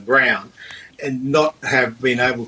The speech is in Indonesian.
dan tidak bisa membangun israel